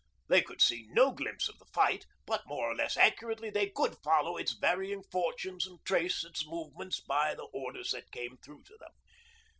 They could see no glimpse of the fight, but, more or less accurately, they could follow its varying fortunes and trace its movements by the orders that came through to them.